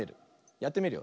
やってみるよ。